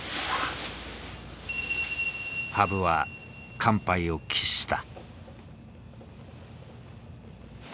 羽生は完敗を喫した。